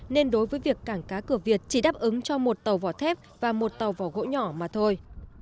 nên đối với việc cảng cá cửa việt chỉ đáp ứng cho một tàu vỏ thép và một tàu vỏ gỗ nhỏ mà thôi